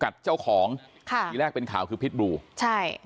กรับเจ้าของค่ะอีกแรกเป็นข่าวก็พิษบูใช่